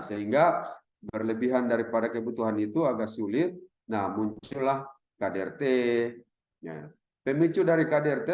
sehingga berlebihan daripada kebutuhan itu agak sulit nah muncullah kdrt pemicu dari kdrt